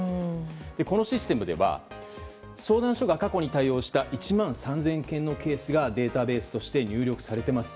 このシステムでは、相談所が過去に対応した１万３０００件のケースが、データベースとして入力されています。